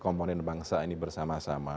komponen bangsa ini bersama sama